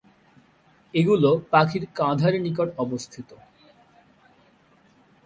এগুলো পাখির কাঁধের নিকটে অবস্থিত।